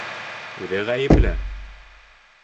Үҙе ғәйепле!